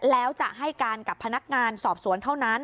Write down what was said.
แล้วจะให้การกับพนักงานสอบสวนเท่านั้น